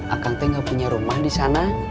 akang teh gak punya rumah di sana